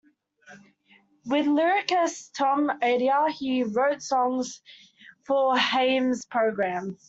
With lyricist Tom Adair he wrote songs for Haymes' program.